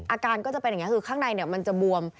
อาการก็จะเป็นอย่างนี้คือข้างในมันจะบวม